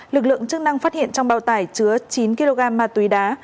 lực lượng chức năng phát hiện trong bao tải chứa chín kg ma túy đá